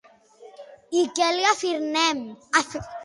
I què li afirmen?